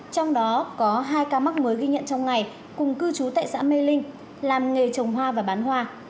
trong đó có hai ca mắc mới ghi nhận trong ngày cùng cư trú tại xã mê linh làm nghề trồng hoa và bán hoa